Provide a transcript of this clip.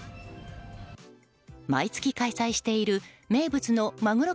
毎月開催している名物のマグロ